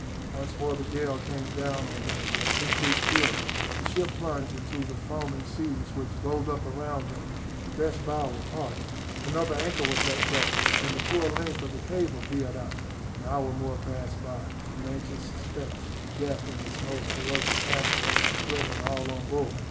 Once more the gale came down on them with increased fury. The ship plunged into the foaming seas which rolled up around her. The best bower parted. Another anchor was let go, and the full length of the cable veered out. An hour more passed by in anxious suspense; death, in its most ferocious aspect, threatening all on board.